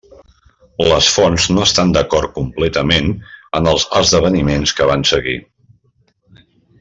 Les fonts no estan d'acord completament en els esdeveniments que van seguir.